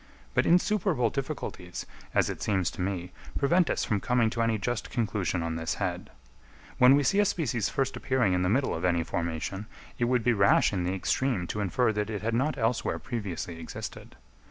But insuperable difficulties, as it seems to me, prevent us from coming to any just conclusion on this head. When we see a species first appearing in the middle of any formation, it would be rash in the extreme to infer that it had not elsewhere previously existed.